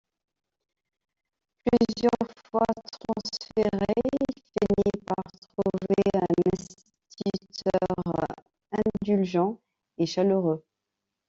Plusieurs fois transféré, il finit par trouver un instituteur indulgent et chaleureux.